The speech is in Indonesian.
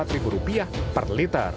sehingga rp tiga puluh empat per liter